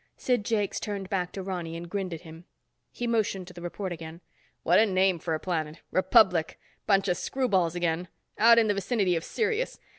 Sid Jakes turned back to Ronny and grinned at him. He motioned to the report again. "What a name for a planet. Republic. Bunch of screw balls, again. Out in the vicinity of Sirius.